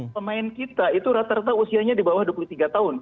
pemain kita itu rata rata usianya di bawah dua puluh tiga tahun